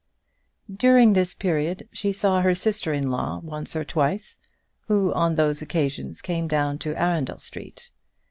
During this period she saw her sister in law once or twice, who on those occasions came down to Arundel Street.